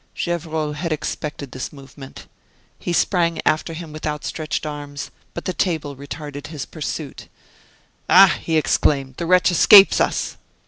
Gevrol had expected this movement. He sprang after him with outstretched arms, but the table retarded his pursuit. "Ah!" he exclaimed, "the wretch escapes us!"